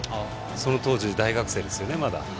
その当時、大学生ですよね。